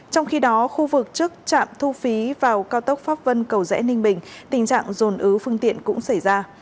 trong khi đó khu vực trước trạm thu phí vào cao tốc pháp vân cầu rẽ ninh bình tình trạng dồn ứ phương tiện cũng xảy ra